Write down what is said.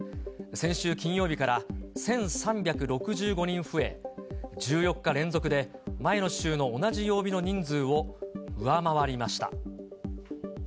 先週金曜日から１３６５人増え、１４日連続で、前の週の同じ曜日の人数を上回りました。